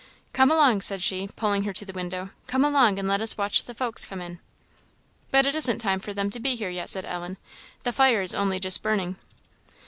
"Come along," said she, pulling her to the window "come along, and let us watch the folks come in." "But it isn't time for them to be here yet," said Ellen; "the fire is only just burning."